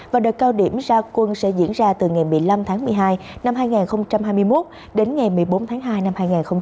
và đợt cao điểm ra quân sẽ diễn ra từ ngày một mươi năm tháng một mươi hai năm hai nghìn hai mươi một đến ngày một mươi bốn tháng hai năm hai nghìn hai mươi bốn